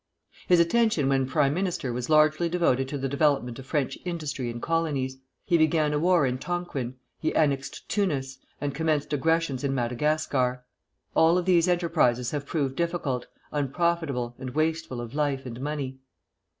His attention when prime minister was largely devoted to the development of French industry in colonies. He began a war in Tonquin, he annexed Tunis, and commenced aggressions in Madagascar. All of these enterprises have proved difficult, unprofitable, and wasteful of life and money.